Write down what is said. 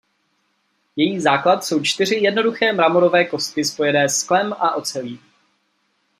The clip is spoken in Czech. Její základ jsou čtyři jednoduché mramorové kostky spojené sklem a ocelí.